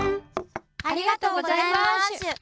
ありがとうございましゅ。